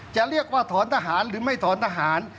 จะเรียกว่าถอนทหารหรือไม่ถอนทหาร